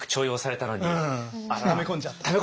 ため込んじゃった。